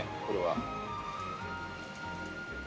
これは。